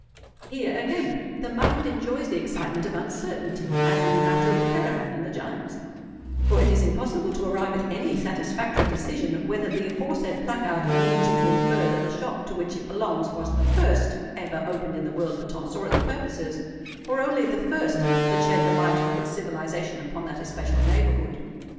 Here, again, the mind enjoys the excitement of uncertainty, as in the matter of the caravan and the giants; for it is impossible to arrive at any satisfactory decision whether the aforesaid placard means you to infer that the shop to which it belongs was the first ever opened in the world for tonsorial purposes, or only the first that shed the light of its civilisation upon that especial neighbourhood.